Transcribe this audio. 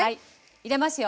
入れますよ！